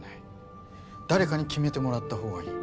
誰かに決めてもらったほうがいい。